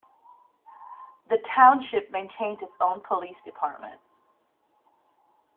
The township maintains its own police department.